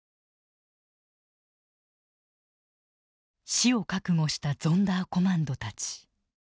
死を覚悟したゾンダーコマンドたち。